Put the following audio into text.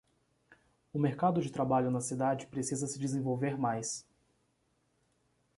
O Mercado de trabalho na cidade precisa se desenvolver mais